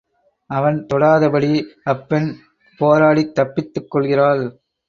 அவன் தொடாதபடி அப்பெண் போராடித் தப்பித்துக் கொள்கிறாள்.